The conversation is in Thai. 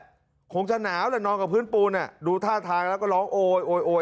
ก็คงจะหนาวแหละนอนกับพื้นปูนดูท่าทางแล้วก็ร้องโอ๊ยโอย